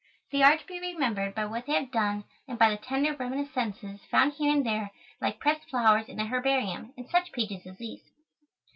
They are to be remembered by what they have done and by the tender reminiscences found here and there like pressed flowers in a herbarium, in such pages as these.